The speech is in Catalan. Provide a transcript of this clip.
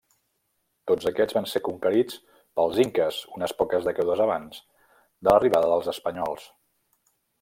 Tots aquests van ser conquerits pels inques unes poques dècades abans de l'arribada dels espanyols.